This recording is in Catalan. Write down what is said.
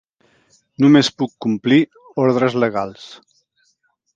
Només puc complir ordres legals.